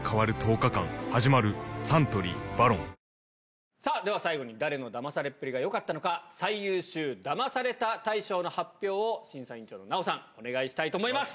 サントリー「ＶＡＲＯＮ」さあ、では最後に誰のダマされっぷりがよかったのか、最優秀ダマされた大賞の発表を、審査員長の奈緒さん、お願いしたいと思います。